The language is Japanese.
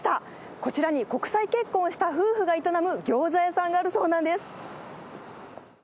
こちらに国際結婚をした夫婦が営むギョーザ屋さんがあるそうなんです。